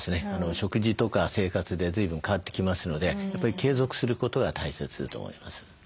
食事とか生活でずいぶん変わってきますのでやっぱり継続することが大切だと思います。